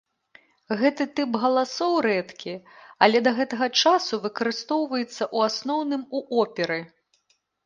Гэты тып галасоў рэдкі, але да гэтага часу выкарыстоўваецца, у асноўным, у оперы.